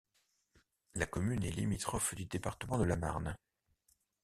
La commune est limitrophe du département de la Marne.